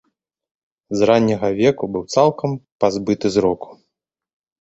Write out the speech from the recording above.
З ранняга веку быў цалкам пазбыты зроку.